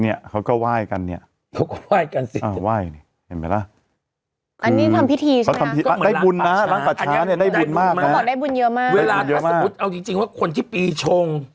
นี่เขาก็ไหว้กันเห็นไหมล่ะอันนี้ทำพิธีใช่ไหมได้บุญนะรังปัชฌาเนี่ยได้บุญมากมากเขาบอกได้บุญเยอะมากเวลาถ้าสมมติเอาจริงว่าคนที่ปีชง